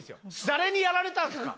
誰にやられたんですか？